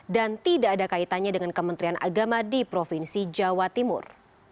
dan tidak ada kaitannya dengan kementerian agama di provinsi jawa timur